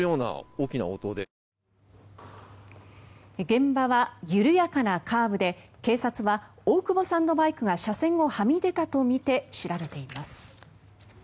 現場は緩やかなカーブで警察は大久保さんのバイクが車線をはみ出たとみて調べています。